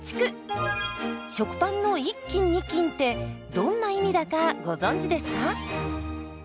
食パンの１斤２斤ってどんな意味だかご存じですか？